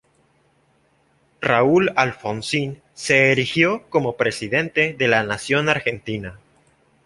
Raúl Alfonsín se erigió como presidente de la Nación Argentina.